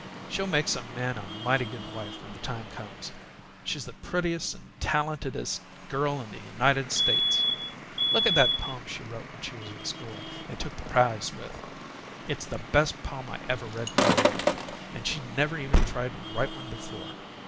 She'll make some man a mighty good wife when the time comes. She's the prettiest and talentedest girl in the United States! Look at that poem she wrote when she was in school and took the prize with; it's the best poem I ever read in my life, and she'd never even tried to write one before.